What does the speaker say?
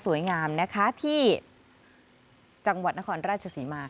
งามนะคะที่จังหวัดนครราชศรีมา